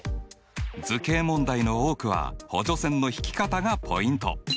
図形問題の多くは補助線の引き方がポイント。